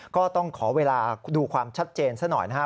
ก็ต้องขอเวลาดูความชัดเจนซะหน่อยนะครับ